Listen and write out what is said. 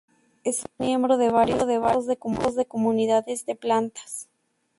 Es un miembro de varios tipos de comunidades de plantas.